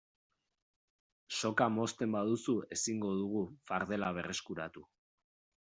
Soka mozten baduzu ezingo dugu fardela berreskuratu.